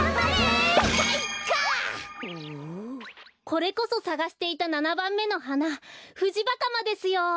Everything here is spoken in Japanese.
これこそさがしていた７ばんめのはなフジバカマですよ！